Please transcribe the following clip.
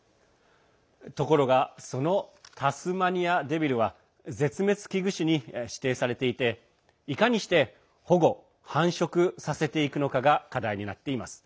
ところがそのタスマニアデビルは絶滅危惧種に指定されていていかにして保護・繁殖させていくのかが課題になっています。